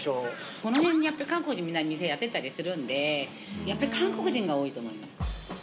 この辺やっぱり韓国人みんな店やってたりするんでやっぱり韓国人が多いと思います。